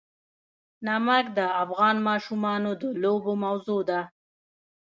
نمک د افغان ماشومانو د لوبو موضوع ده.